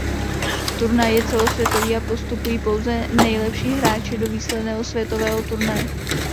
Turnaj je celosvětový a postupují pouze nejlepší hráči do výsledného světového turnaje.